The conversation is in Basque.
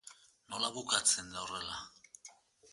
Nola bukatzen da horrela?